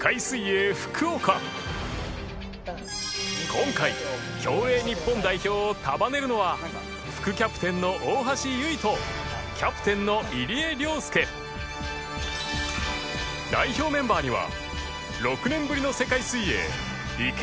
今回競泳日本代表を束ねるのは副キャプテンの大橋悠依とキャプテンの入江陵介代表メンバーには